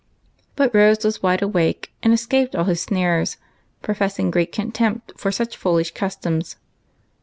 But Rose was wide awake, and escaped all his snares, professing great contempt for such foolish customs.